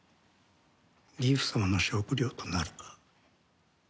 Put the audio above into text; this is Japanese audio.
ギフ様の食料となるか？